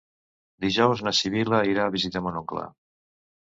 Dijous na Sibil·la irà a visitar mon oncle.